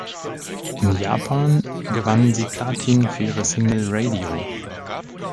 In Japan gewannen sie Platin für ihre Single "Radio".